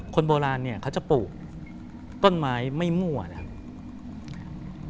คนโบราณเนี่ยเขาจะปลูกต้นไม้ไม่มั่วนะครับ